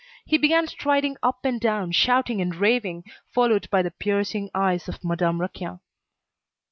He began striding up and down, shouting and raving, followed by the piercing eyes of Madame Raquin.